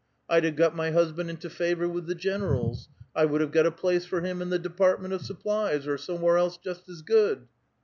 Td havo got my hushaiid into favor with the generals ; I would have got a place for him in the department of supplies, or somewhere else just as good